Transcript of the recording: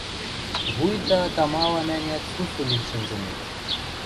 вуйта тамалан-ӓнят сусу лин шӹнзӹнӹт.